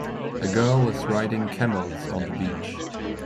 A girl is riding camels on the beach.